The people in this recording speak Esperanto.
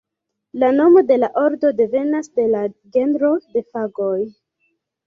La nomo de la ordo devenas de la genro de Fagoj.